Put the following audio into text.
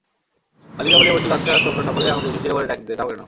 বালিকা বলিয়া বসিল, আচ্ছা, তোমরা সকলেই আমাকে সুশীলা বলিয়া ডাক কেন?